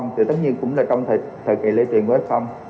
thì tất nhiên cũng là trong thời kỳ lây truyền với f